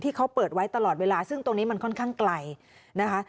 ที่เขาเปิดไว้ตลอดเวลาซึ่งตรงนี้มันค่อนข้างไกลนะคะ